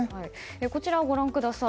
こちらをご覧ください。